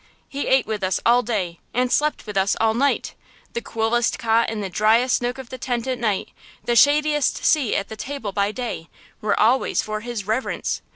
He ate with us all day and slept with us all night! The coolest cot in the dryest nook of the tent at night–the shadiest seat at the table by day–were always for his reverence!